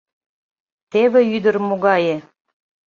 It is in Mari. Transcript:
Теве ӱдыр могае.